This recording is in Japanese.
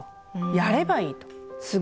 やればいい。